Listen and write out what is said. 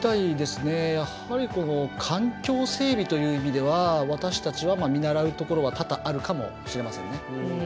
やはり環境整備という意味では私たちは見習うところは多々あるかもしれません。